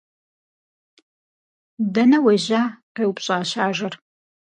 - Дэнэ уежьа? - къеупщӀащ ажэр.